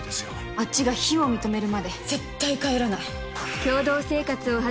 あっちが非を認めるまで絶対帰らない！